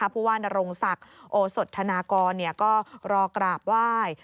ผู้ว่านรงศักดิ์โอสดธนากรก็รอกราบไหว้